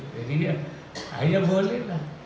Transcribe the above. jadi ya hanya bolehlah